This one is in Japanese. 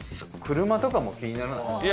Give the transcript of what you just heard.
車とかも気にならない？